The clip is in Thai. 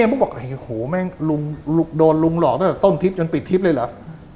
มุกบอกโอ้โหแม่งลุงโดนลุงหลอกตั้งแต่ต้นทริปจนปิดทิศเลยเหรอ